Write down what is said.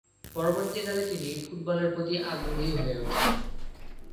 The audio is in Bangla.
পরবর্তীকালে তিনি ফুটবলের প্রতি আগ্রহী হয়ে উঠেন।